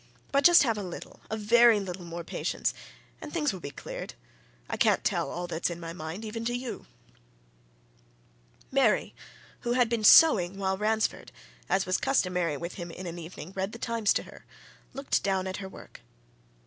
But just have a little a very little more patience, and things will be cleared I can't tell all that's in my mind, even to you." Mary, who had been sewing while Ransford, as was customary with him in an evening, read the Times to her, looked down at her work.